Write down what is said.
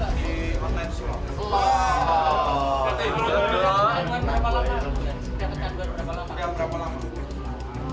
jadi berbayar utang sama dia main